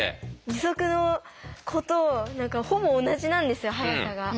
義足の子とほぼ同じなんですよ速さが。